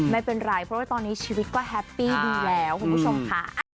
ไม่เป็นไรเพราะว่าตอนนี้ชีวิตก็แฮปปี้ดีแล้วคุณผู้ชมค่ะ